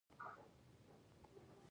سیدخان یو هوښیار او محتاط موټروان دی